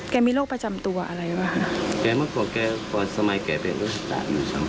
แกมีโรคประจำตัวอะไรหรือเปล่า